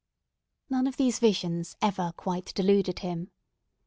None of these visions ever quite deluded him.